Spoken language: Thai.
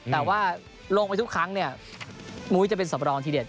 แต่ว่าลงไปทุกครั้งเนี่ยมุ้ยจะเป็นสำรองทีเด็ด